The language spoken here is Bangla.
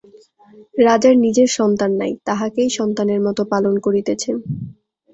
রাজার নিজের সন্তান নাই, তাহাকেই সন্তানের মতো পালন করিতেছেন।